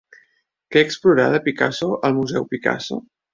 Què explorarà de Picasso el Museu Picasso?